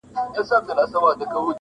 چي هر پردی راغلی دی زړه شینی دی وتلی!.